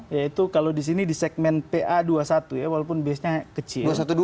yaitu kalau di sini di segmen pa dua puluh satu ya walaupun base nya kecil